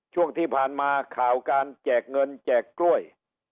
ช่วงที่ผ่านมาข่าวการแจกเงินแจกกล้วย